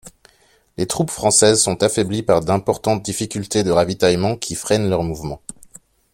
Les troupes françaises sont affaiblies par d'importantes difficultés de ravitaillement qui freinent leurs mouvements.